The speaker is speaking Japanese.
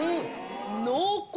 濃厚！